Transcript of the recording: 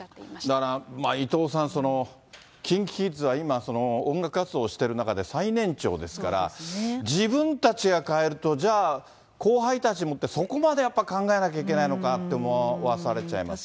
だから、伊藤さん、ＫｉｎＫｉＫｉｄｓは今音楽活動をしている中で、最年長ですから、自分たちが変えると、じゃあ後輩たちもって、そこまでやっぱ考えなきゃいけないのかと思わされちゃいますね。